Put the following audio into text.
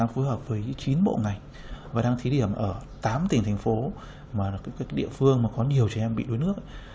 với chín bộ ngành và đang thí điểm ở tám tỉnh thành phố địa phương mà có nhiều trẻ em bị đuối nước